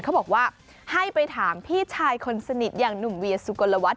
เขาบอกว่าให้ไปถามพี่ชายคนสนิทอย่างหนุ่มเวียสุกลวัฒ